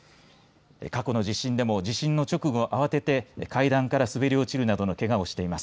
過去の地震でも地震の直後は慌てて階段から滑り落ちるなどのけがをしています。